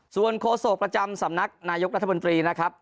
ส่วนโฆษกประจำสำนักนายกรัฐมนตรีนะครับ